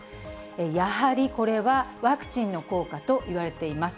やはりこれは、ワクチンの効果といわれています。